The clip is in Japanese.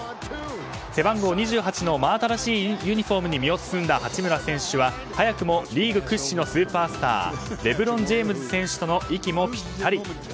背番号２８の真新しいユニホームに身を包んだ八村選手は早くもリーグ屈指のスーパースターレブロン・ジェームズ選手との息もぴったり。